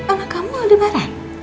anak kamu aldebaran